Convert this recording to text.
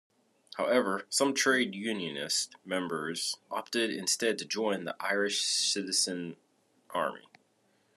However, some trade unionist members opted instead to join the Irish Citizen Army.